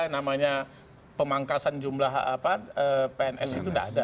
namanya pemangkasan jumlah pns itu tidak ada